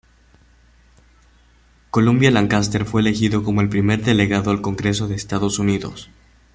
Columbia Lancaster fue elegido como el primer delegado al Congreso de Estados Unidos.